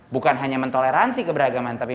bukan hanya mentoleransi keberagaman tapi